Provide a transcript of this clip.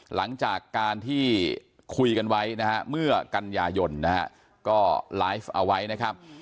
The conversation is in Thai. หลังจากการที่คุยกันไว้นะฮะเมื่อกันยายนนะฮะก็ไลฟ์เอาไว้นะครับ